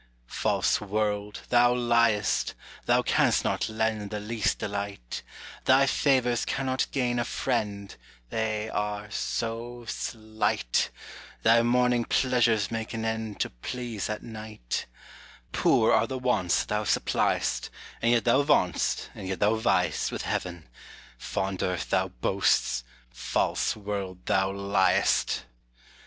False world, thou ly'st: thou canst not lend The least delight: Thy favors cannot gain a friend, They are so slight: Thy morning pleasures make an end To please at night: Poor are the wants that thou supply'st, And yet thou vaunt'st, and yet thou vy'st With heaven: fond earth, thou boasts; false world, thou ly'st.